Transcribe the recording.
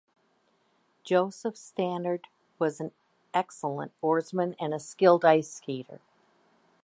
Joseph Stannard was an excellent oarsman and a skilled ice-skater.